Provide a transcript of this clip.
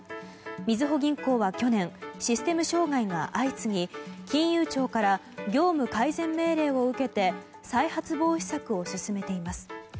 みずほ銀行は去年システム障害が相次ぎ金融庁から業務改善命令を受けて再発防止策を進めています。